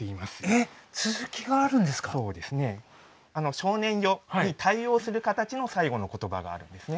「少年よ」に対応する形の最後の言葉があるんですね。